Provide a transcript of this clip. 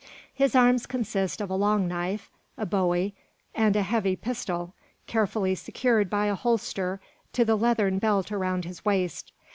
His arms consist of a long knife, a bowie, and a heavy pistol, carefully secured by a holster to the leathern belt around his waist.